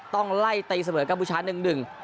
ต้องไล่ตีเสมอกับผู้ช้าหนึ่ง